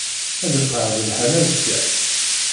Ad iqeɛɛed lḥal azekka?